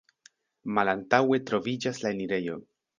Malantaŭe troviĝas la enirejo.